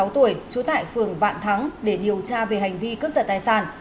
hai mươi sáu tuổi trú tại phường vạn thắng để điều tra về hành vi cướp giật tài sản